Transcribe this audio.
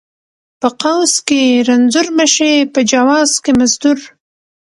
ـ په قوس کې رنځور مشې، په جواز کې مزدور.